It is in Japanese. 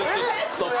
ストップ。